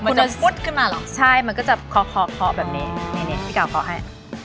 คุณจะฟุตขึ้นมาเหรอใช่มันก็จะเคาะเคาะแบบนี้นี่พี่เก่าเคาะให้